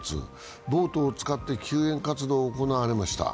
ボートを使って救援活動が行われました。